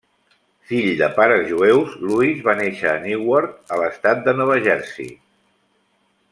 Fill de pares jueus, Lewis va néixer a Newark, a l'estat de Nova Jersey.